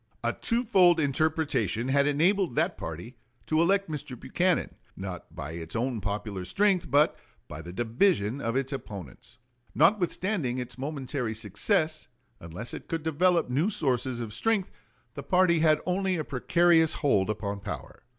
A twofold interpretation had enabled that party to elect Mr. Buchanan, not by its own popular strength, but by the division of its opponents. Notwithstanding its momentary success, unless it could develop new sources of strength the party had only a precarious hold upon power.